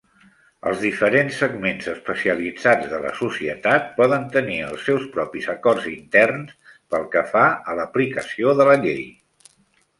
Els diferents segments especialitzats de la societat poden tenir els seus propis acords interns pel que fa a l'aplicació de la llei.